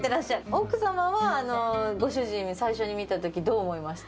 奥様は、ご主人、最初に見たとき、どう思いました？